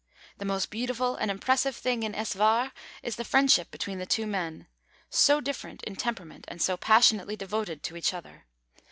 The most beautiful and impressive thing in Es War is the friendship between the two men so different in temperament and so passionately devoted to each other.